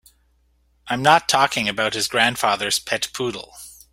I'm not talking about his grandfather's pet poodle.